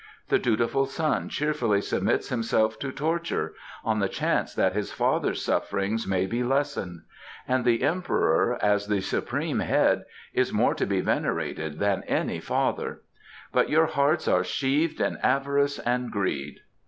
The dutiful son cheerfully submits himself to torture on the chance that his father's sufferings may be lessened, and the Emperor, as the supreme head, is more to be venerated than any father; but your hearts are sheathed in avarice and greed."